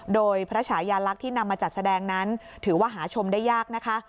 โดยพระชายาลักษณ์ที่นำมาจัดแสดงนั้นถือว่าหาชมได้ยากนะคะ